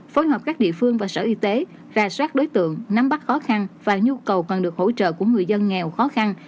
phối hợp các địa phương và sở y tế ra soát đối tượng nắm bắt khó khăn và nhu cầu cần được hỗ trợ của người dân nghèo khó khăn